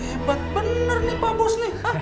ibat benar nih pak bos